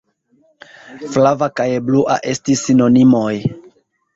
Flava kaj blua estas sinonimoj!